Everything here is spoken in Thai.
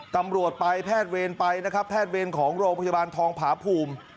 ตำรวจไปแพทย์เวรไปนะครับแพทย์เวรของโรงพยาบาลทองผาภูมิ